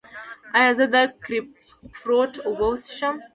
ایا زه د ګریپ فروټ اوبه وڅښم؟